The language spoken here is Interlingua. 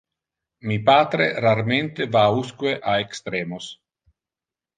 Mi patre rarmente va usque a extremos.